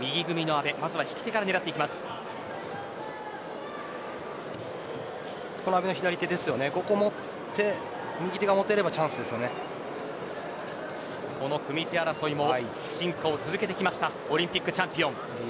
阿部の左手は今ここで右手が持てればこの組み手争いも進化を続けてきましたオリンピックチャンピオン。